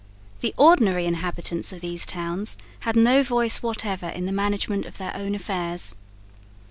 The ordinary inhabitants of these towns had no voice whatever in the management of their own affairs.